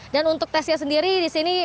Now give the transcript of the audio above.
dan untuk tesnya sendiri di sini